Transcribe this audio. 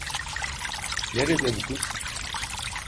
Nerede bu kız?